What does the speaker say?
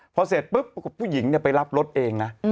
พอเสร็จปุ๊บผู้หญิงไปรับรถเองนะ